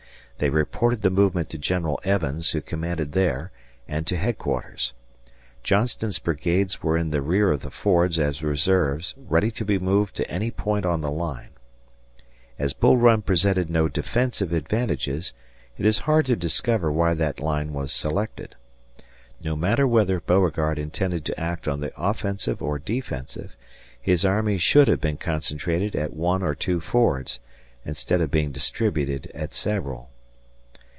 They reported the movement to General Evans, who commanded there, and to headquarters. Johnston's brigades were in the rear of the fords as reserves ready to be moved to any point on the line. As Bull Run presented no defensive advantages, it is hard to discover why that line was selected. No matter whether Beauregard intended to act on the offensive or defensive, his army should have been concentrated at one or two fords, instead of being distributed at several.